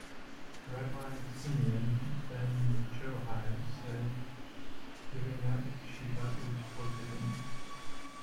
Rabbi Simeon ben Johai said giving up Sheba is forbidden.